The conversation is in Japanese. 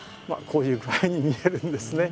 こういう具合に見えるんですね。